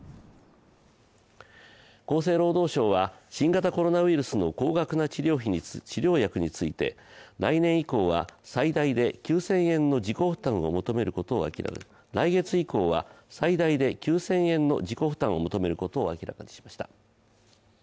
厚生労働省は新型コロナウイルスの高額な治療薬について来月以降は最大で９０００円の自己負担を求めることを明らかにしました。